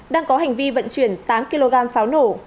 đang có hành vi vận chuyển tám kg pháo nổ